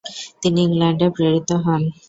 তিনি ইংল্যান্ডে প্রেরিত হন।